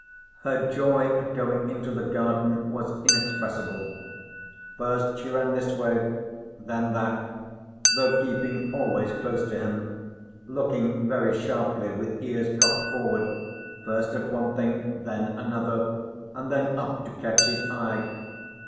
Her joy at going into the garden was inexpressible. First she ran this way, then that, though keeping always close to him, looking very sharply with ears cocked forward first at one thing, then another and then up to catch his eye.